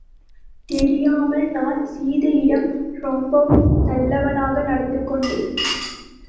தெரியாமல் நான் சீதையிடம் ரொம்பவும் நல்லவனாக நடந்து கொண்டேன்.